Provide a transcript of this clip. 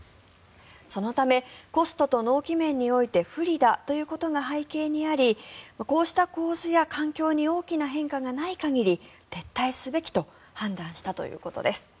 そのためコストと納期面において不利だということが背景にありこうした構図や環境に大きな変化がない限り撤退すべきと判断したということです。